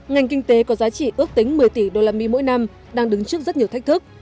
ngành kinh tế có giá trị ước tính một mươi tỷ usd mỗi năm đang đứng trước rất nhiều thách thức